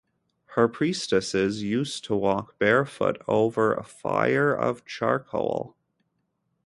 Her priestesses used to walk barefoot over a fire of charcoal.